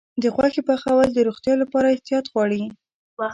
د غوښې پخول د روغتیا لپاره احتیاط غواړي.